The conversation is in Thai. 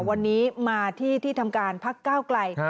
วันนี้มาที่ที่ทำการพักก้าวไกล